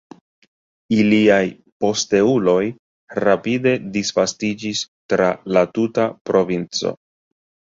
Iliaj posteuloj rapide disvastiĝis tra la tuta provinco.